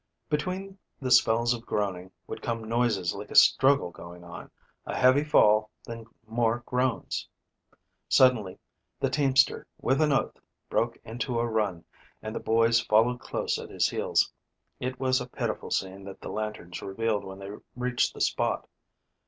Between the spells of groaning would come noises like a struggle going on, a heavy fall, then more groans. Suddenly the teamster with an oath broke into a run and the boys followed close at his heels. It was a pitiful scene that the lanterns revealed when they reached the spot.